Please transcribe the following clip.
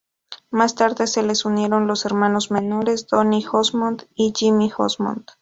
Más tarde se les unieron los hermanos menores Donny Osmond y Jimmy Osmond.